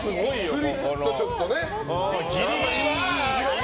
スリットがちょっとね。